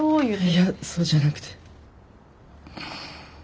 いやそうじゃなくて。